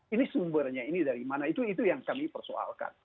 ini sumbernya ini dari mana itu yang kami persoalkan